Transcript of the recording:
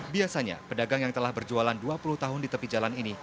biasanya pedagang yang telah berjualan dua puluh tahun di tepi jalan ini